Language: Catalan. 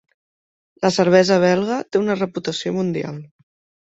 La cervesa belga té una reputació mundial.